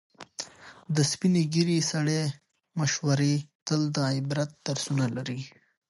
د سپینې ږیرې سړي مشورې تل د عبرت درسونه لري.